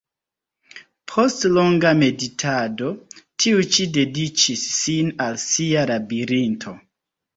Post longa meditado, tiu ĉi dediĉis sin al sia "Labirinto".